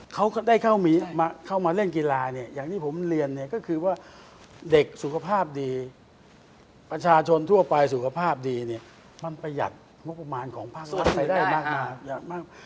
เขาก็ได้เข้ามาเล่นกีฬาเนี่ยอย่างที่ผมเรียนเนี่ยก็คือว่าเด็กสุขภาพดีประชาชนทั่วไปสุขภาพดีเนี่ยมันประหยัดงบประมาณของภาครัฐไปได้มาก